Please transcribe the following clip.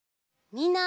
みんな！